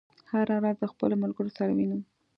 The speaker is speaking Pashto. هره ورځ د خپلو ملګرو سره وینم.